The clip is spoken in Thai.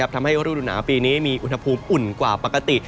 ทำให้รูดูหนาวปีนี้มีอุณหภูมิอุ่นกว่าปกติ